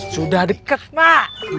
sudah deket mak